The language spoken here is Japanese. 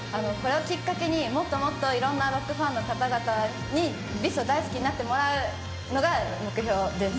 これをきっかけにもっともっといろんなロックファンの方々にＢｉＳを大好きになってもらうのが目標です。